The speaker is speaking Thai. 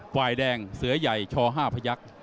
ไฟล์แดงเสือใหญ่ช่อ๕พระยักษ์